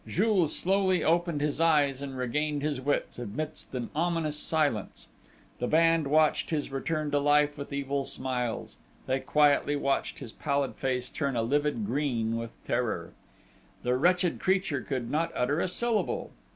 Jules slowly opened his eyes and regained his wits, amidst an ominous silence. The band watched his return to life with evil smiles: they quietly watched his pallid face turn a livid green with terror. The wretched creature could not utter a syllable.